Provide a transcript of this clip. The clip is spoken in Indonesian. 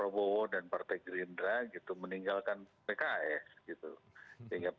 bahwa turun naiknya